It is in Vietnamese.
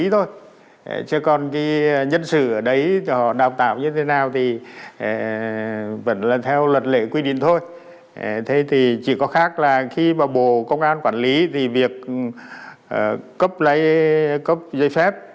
thế thì chỉ có khác là khi mà bộ công an quản lý thì việc cấp giấy phép